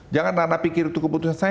jangan nana pikir itu keputusan saya